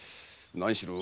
何しろ